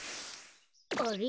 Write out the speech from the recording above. あれ？